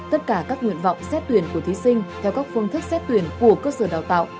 tất cả các nguyện vọng xét tuyển của thí sinh theo các phương thức xét tuyển của cơ sở đào tạo